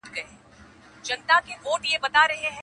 لا به څنګه ګیله من یې جهاني له خپله بخته،